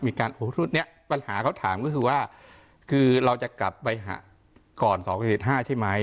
มีการโอ้หุ้นเนี้ยปัญหาเขาถามก็คือว่าคือเราจะกลับไปหาก่อนสองสี่สิบห้าใช่ไหม